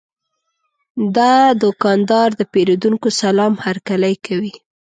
دا دوکاندار د پیرودونکو سلام هرکلی کوي.